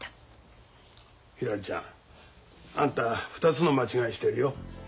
ひらりちゃんあんた２つの間違いしてるよ。